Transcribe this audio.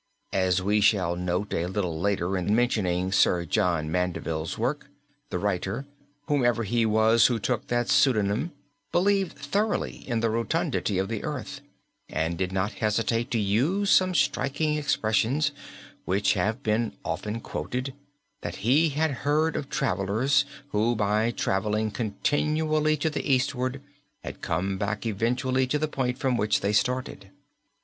As we shall note a little later in mentioning Sir John Mandeville's work, the writer, whomever he was who took that pseudonym, believed thoroughly in the rotundity of the earth and did not hesitate to use some striking expressions which have been often quoted that he had heard of travelers who by traveling continually to the eastward had come back eventually to the point from which they started.